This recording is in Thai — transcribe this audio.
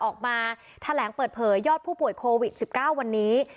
ออกมาแถลงเปิดเผยยอดผู้ป่วยโควิด๑๙วันนี้